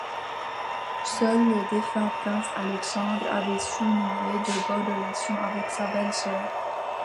Seul le défunt prince Alexandre avait su nouer de bonnes relations avec sa belle-sœur.